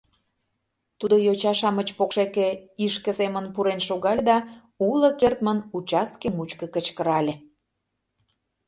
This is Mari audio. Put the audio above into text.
Тудо йоча-шамыч покшеке ишке семын пурен шогале да уло кертмын участке мучко кычкырале: